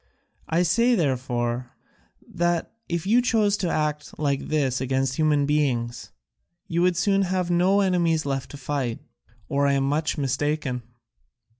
I say, therefore, that if you chose to act like this against human beings, you would soon have no enemies left to fight, or I am much mistaken.